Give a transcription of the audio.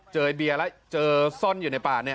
ไอเบียร์แล้วเจอซ่อนอยู่ในป่าเนี่ย